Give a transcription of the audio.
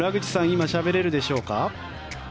今しゃべれるでしょうか。